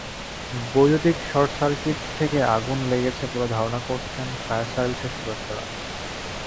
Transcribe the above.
বৈদ্যুতিক শর্টসার্কিট থেকে আগুন লেগেছে বলে ধারণা করছেন ফায়ার সার্ভিসের সদস্যরা।